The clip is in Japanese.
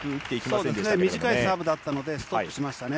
そうですね、短いサーブだったので、ストップしましたね。